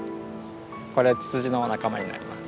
これツツジの仲間になります。